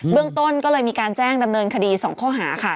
เรื่องต้นก็เลยมีการแจ้งดำเนินคดี๒ข้อหาค่ะ